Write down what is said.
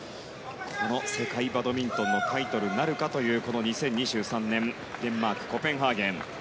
この世界バドミントンのタイトルなるかという２０２３年デンマーク・コペンハーゲン。